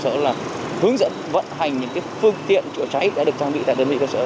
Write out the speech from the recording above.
cơ sở là hướng dẫn vận hành những phương tiện chữa cháy đã được trang bị tại đơn vị cơ sở